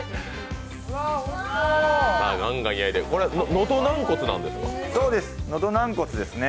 これは喉軟骨なんですか？